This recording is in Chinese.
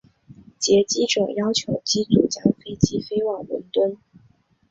劫机者要求机组将飞机飞往伦敦。